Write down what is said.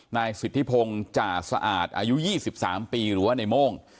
นายสิทธิพงศ์จ่าสะอาดอายุ๒๓ปีหรือว่าในโม่ง